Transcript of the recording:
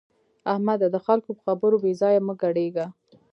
احمده! د خلګو په خبرو بې ځایه مه ګډېږه.